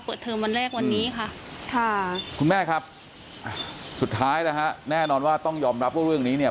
เทอมวันแรกวันนี้ค่ะค่ะคุณแม่ครับสุดท้ายนะฮะแน่นอนว่าต้องยอมรับว่าเรื่องนี้เนี่ย